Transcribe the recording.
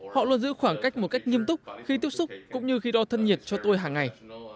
họ luôn giữ khoảng cách một cách nghiêm túc khi tiếp xúc cũng như khi đo thân nhiệt cho tôi hàng ngày